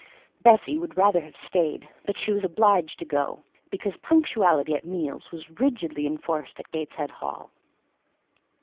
Bessie would rather have stayed, but she was obliged to go, because punctuality at meals was rigidly enforced at Gateshead Hall.